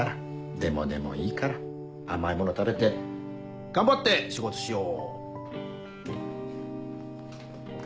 でもでもいいから甘いもの食べて頑張って仕事しよう！